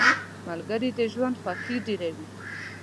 • ملګري د ژوند خوښي ډېروي.